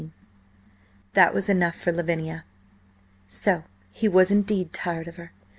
That was enough for Lavinia. So he was indeed tired of her!